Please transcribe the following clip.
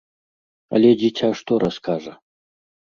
Але дзіця што раскажа?